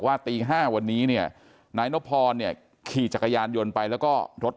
ตี๕วันนี้เนี่ยนายนพรเนี่ยขี่จักรยานยนต์ไปแล้วก็รถ